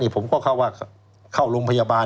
ผมก็เข้าว่าเข้าโรงพยาบาล